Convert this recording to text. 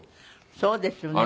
そうですね。